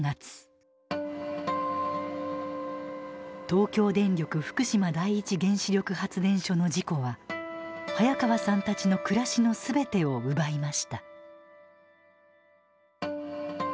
東京電力福島第一原子力発電所の事故は早川さんたちの暮らしの全てを奪いました。